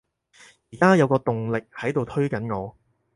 而家有個動力喺度推緊我